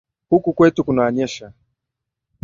Huku kwetu kunanyesha